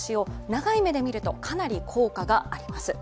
長い目で見るとかなり効果があります。